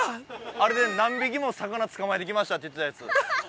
あれで何匹も魚捕まえてきましたって言ってたやつ。